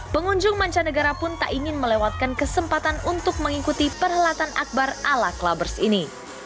pengunjung mancanegara pun tak ingin melewatkan kesempatan untuk mengikuti perhelatan akbar ala clubbers ini